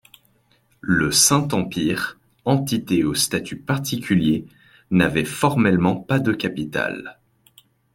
Le Saint-Empire, entité au statut particulier, n'avait formellement pas de capitale.